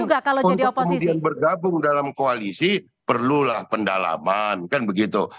untuk kemudian bergabung dalam koalisi perlulah pendalaman kan begitu